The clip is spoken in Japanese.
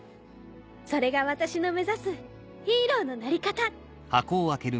それが私の目指すヒーローのなり方。